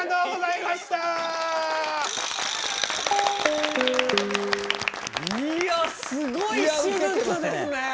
いやすごい手術ですね。